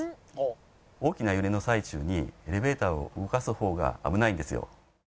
大きな揺れの最中にエレベーターを動かす方が危ないんですよ。